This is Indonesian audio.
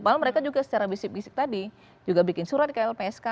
padahal mereka juga secara bisik bisik tadi juga bikin surat ke lpsk